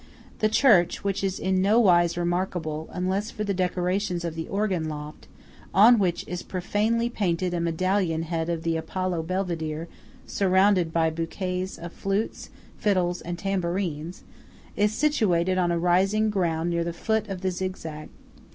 The church (which is in nowise remarkable, unless for the decorations of the organ loft, on which is profanely painted a medallion head of the Apollo Belvedere surrounded by bouquets of flutes, fiddles and tambourines) is situated on a rising ground near the foot of the zigzag.